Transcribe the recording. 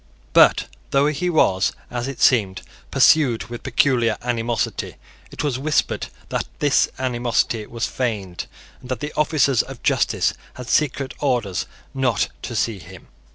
But, though he was, as it seemed, pursued with peculiar animosity, it was whispered that this animosity was feigned, and that the officers of justice had secret orders not to see him.